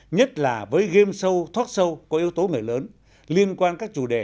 nhất là với game show talk show có yếu tố người lớn liên quan các chủ đề